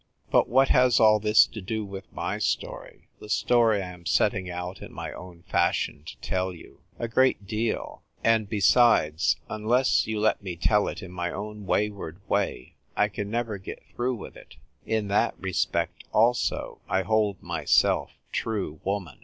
But what has all this to do with my story — the story I am setting out in my own fashion to tell you ? A great deal ; and besides, unless you let me tell it in my own wayward way, I can never get through with it. In that respect also I hold myself true woman.